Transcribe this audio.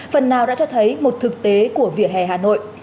phần nào đã cho thấy một thực tế của vỉa hè hà nội